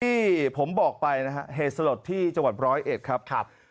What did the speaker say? ที่ผมบอกไปนะฮะเหตุสลดที่จังหวัดร้อยเอ็ดครับ